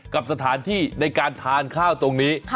กับสถานที่ในการทานข้าวตรงนี้